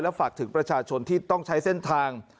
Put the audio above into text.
ฝากถึงประชาชนที่ต้องใช้เส้นทาง